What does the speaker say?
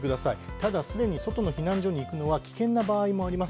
ただ、外の避難所に行くのは危険な場合もあります。